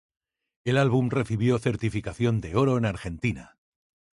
El álbum recibió certificación de Oro en Argentina.